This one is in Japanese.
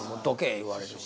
言われるし。